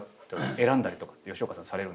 選んだりとか吉岡さんされるんですか？